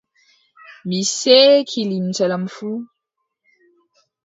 Mi seeki limce am fuu.